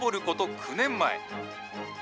９年前。